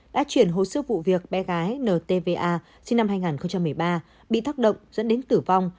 đã chuyển hồ sơ vụ việc bé gái ntva sinh năm hai nghìn một mươi ba bị tác động dẫn đến tử vong